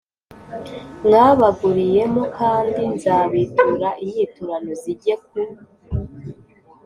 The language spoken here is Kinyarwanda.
mwabaguriyemo kandi nzabitura inyiturano zijye ku